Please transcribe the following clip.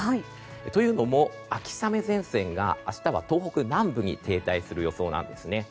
というのも、秋雨前線が明日は東北南部に停滞する予想なんですね。